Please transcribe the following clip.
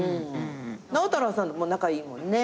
直太朗さんも仲いいもんね。